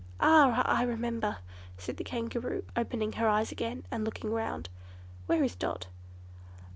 "Ah, I remember!" said the Kangaroo, opening her eyes again and looking round. "Where is Dot?"